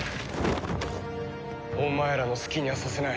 お前らの好きにはさせない。